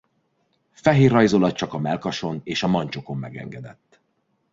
Fehér rajzolat csak a mellkason és a mancsokon megengedett.